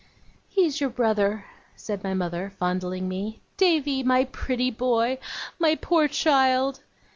'He is your brother,' said my mother, fondling me. 'Davy, my pretty boy! My poor child!